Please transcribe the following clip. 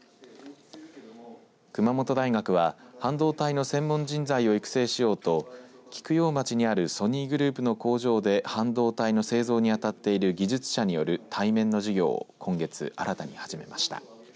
熊本大学は半導体の専門人材を育成しようと菊陽町にあるソニーグループの工場で半導体の製造に当たっている技術者による対面の授業を今月新たに始めました。